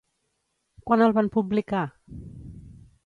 Quan el van publicar?